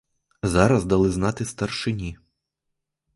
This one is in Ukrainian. Зараз дали знати старшині.